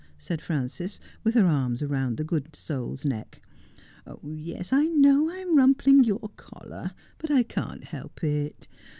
said Frances, with her arms round the good soul's neck. ' Yes, I know I'm rumpling your collar, but I can't help it.